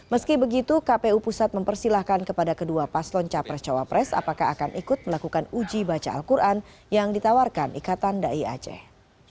meski begitu kpu pusat mempersilahkan kepada kedua paslon capres cawapres apakah akan ikut melakukan uji baca al quran yang ditawarkan ikatan dai aceh